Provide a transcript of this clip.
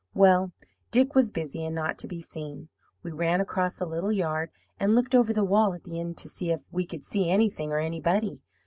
"Well, Dick was busy, and not to be seen. We ran across the little yard and looked over the wall at the end to see if we could see anything or anybody.